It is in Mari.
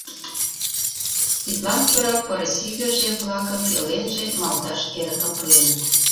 Тидлан кӧрак пырысигыже-влакым пеленже малташ эрыкым пуэныт.